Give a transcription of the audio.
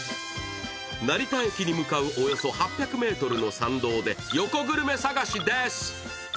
成田駅に向かうおよそ８００ｍの参道で横グルメ探しです。